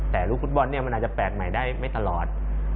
แต่ลูกฟุตบอลเนี่ยมันอาจจะแปลกใหม่ได้ไม่ตลอด